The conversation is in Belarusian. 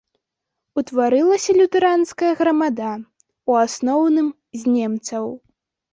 Утварылася лютэранская грамада, у асноўным з немцаў.